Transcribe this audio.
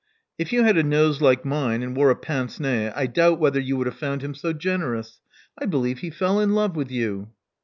"If you had a nose like mine, and wore a pince nez^ I doubt whether you would have found him so generous. I believe he fell in love with you."